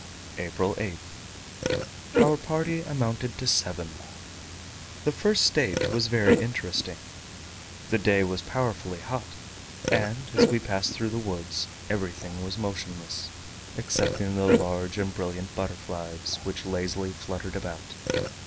April 8th. Our party amounted to seven. The first stage was very interesting. The day was powerfully hot, and as we passed through the woods, everything was motionless, excepting the large and brilliant butterflies, which lazily fluttered about.